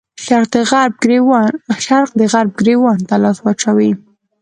شرق د غرب ګرېوان ته لاس واچوي.